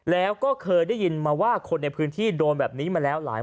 แล้วก็เคยได้ยินมาว่าคนในพื้นที่โดนแบบนี้มาแล้วหลาย